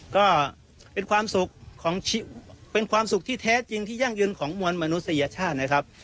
ก็เป็นความสุขที่แท้จริงที่ยั่งยืนของมวลมนุษยชาตินะครับ